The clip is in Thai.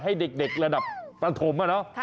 ให้เด็กระดับประถมอะเนาะ